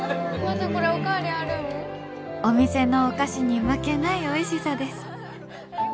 「お店のお菓子に負けないおいしさです」。